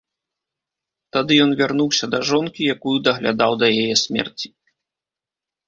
Тады ён вярнуўся да жонкі, якую даглядаў да яе смерці.